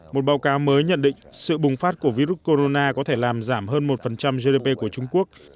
một báo cáo mới nhận định sự bùng phát của virus corona có thể làm giảm hơn một gdp của trung quốc